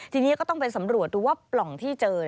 ทีนี้ก็ต้องไปสำรวจดูว่าปล่องที่เจอ